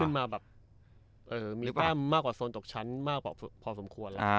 มีแป้มมากกว่าโซนตกชั้นมากพอสมควร